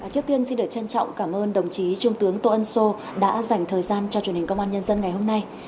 trước tiên xin được trân trọng cảm ơn đồng chí trung tướng tô ân sô đã dành thời gian cho truyền hình công an nhân dân ngày hôm nay